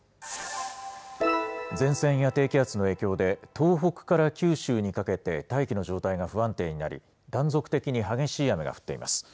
前線や低気圧の影響で、東北から九州にかけて大気の状態が不安定になり、断続的に激しい雨が降っています。